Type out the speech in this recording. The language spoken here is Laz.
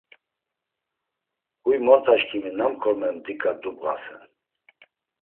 Huy montaşǩimi nam korme mdiǩa dubğasen?